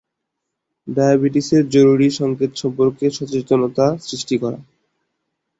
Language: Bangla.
ডায়াবেটিসের জরুরি সংকেত সম্পর্কে সচেতনতা সৃষ্টি করা।